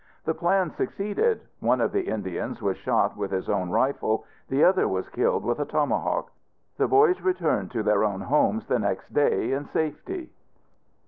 The plan succeeded. One of the Indians was shot with his own rifle; the other was killed with a tomahawk. The boys returned to their own homes the next day in safety.